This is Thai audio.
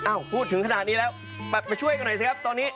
พูดถึงขนาดนี้แล้วไปช่วยกันหน่อยสิครับตอนนี้